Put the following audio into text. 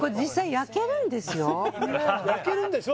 焼けるんでしょ？